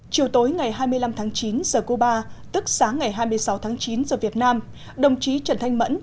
chiều tối ngày hai mươi năm tháng chín giờ cuba tức sáng ngày hai mươi sáu tháng chín giờ việt nam đồng chí trần thanh mẫn